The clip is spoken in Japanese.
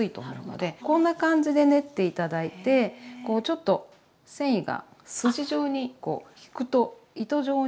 こんな感じで練って頂いてこうちょっと繊維が筋状に引くと糸状に。